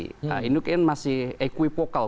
ini mungkin masih equipokal